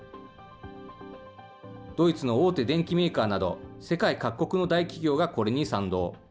ドイツの大手電機メーカーなど、世界各国の大企業がこれに賛同。